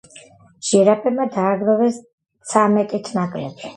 ჟირაფებმა დააგროვეს ცამეტით ნაკლები.